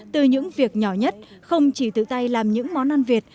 từ những việc nhỏ nhất không chỉ tự tay làm những món ăn việt